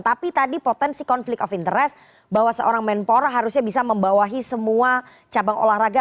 tapi tadi potensi konflik of interest bahwa seorang menpora harusnya bisa membawahi semua cabang olahraga